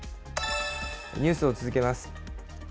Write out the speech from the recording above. ニュースを続けます。